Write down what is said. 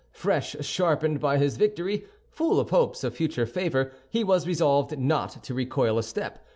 Fresh sharpened by his victory, full of hopes of future favor, he was resolved not to recoil a step.